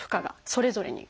それぞれに？